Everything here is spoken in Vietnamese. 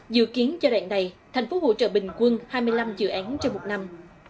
dự kiến giai đoạn này thành phố hỗ trợ bình quân hai mươi năm dự án trên một năm